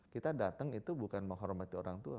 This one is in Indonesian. kita datang itu bukan menghormati orang tua